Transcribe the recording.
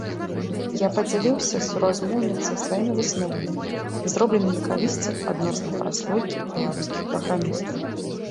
Я падзяліўся з суразмоўніцай сваімі высновамі, зробленымі калісьці адносна праслойкі беларускіх праграмістаў.